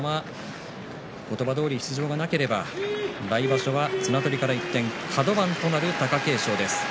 言葉どおり出場がなければ来場所は綱取りから一転カド番となる貴景勝です。